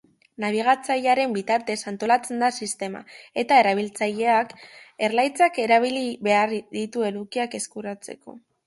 Nabigatzailearen bitartez antolatzen da sistema eta erabiltzaileak erlaitzak erabili behar ditu edukiak eskuratzeko.